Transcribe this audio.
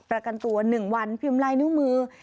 ประกันตัว๑วันพิมพ์ลายนิ้วมือ